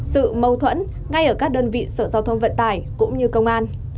sự mâu thuẫn ngay ở các đơn vị sở giao thông vận tải cũng như công an